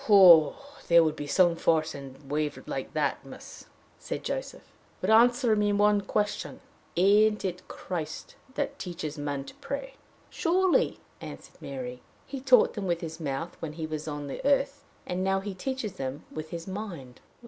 "There would be some force in a wave like that, miss!" said Joseph. "But answer me one question: Ain't it Christ that teaches men to pray?" "Surely," answered Mary. "He taught them with his mouth when he was on the earth; and now he teaches them with his mind."